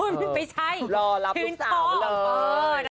ไม่ใช่รอรับลูกสาวเลย